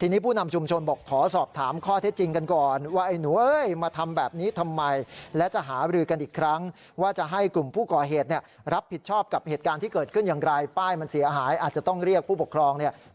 ทีนี้ผู้นำชุมชนบอกขอสอบถามข้อเท็จจริงกันก่อน